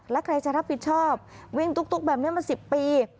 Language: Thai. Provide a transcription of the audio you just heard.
แล้วใครจะรับผิดชอบวิ่งตุ๊กแบบนี้มา๑๐ปี